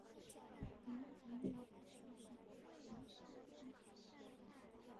梁玉绳认为他可能是虢石父之子。